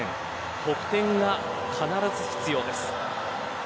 得点が必ず必要です。